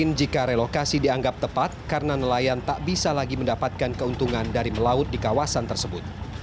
namun jika relokasi dianggap tepat karena nelayan tak bisa lagi mendapatkan keuntungan dari melaut di kawasan tersebut